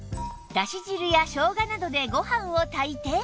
だし汁やショウガなどでご飯を炊いて